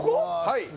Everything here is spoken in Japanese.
はい。